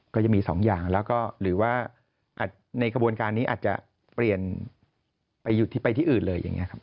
ก็จะมีสองอย่างหรือว่าในกระบวนการนี้อาจจะเปลี่ยนไปที่อื่นเลย